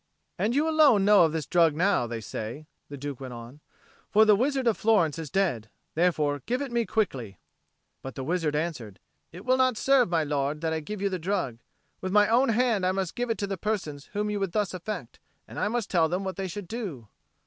"And you alone know of this drug now, they say," the Duke went on. "For the wizard of Florence is dead. Therefore give it me quickly." But the wizard answered, "It will not serve, my lord, that I give you the drug. With my own hand I must give it to the persons whom you would thus affect, and I must tell them what they should do."